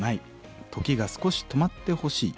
時が少し止まってほしい。